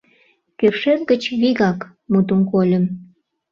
— Кӧршӧк гыч вигак, — мутым кольым.